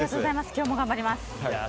今日も頑張ります。